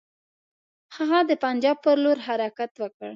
هغه د پنجاب پر لور حرکت وکړ.